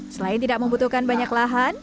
selain tidak membutuhkan banyak lahan